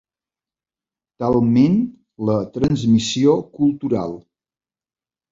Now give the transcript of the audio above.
Talment la transmissió cultural.